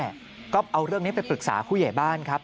ก็เอาเรื่องนี้ไปปรึกษาผู้ใหญ่บ้านครับ